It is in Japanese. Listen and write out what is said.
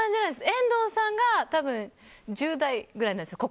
遠藤さんが１０代ぐらいなんですよ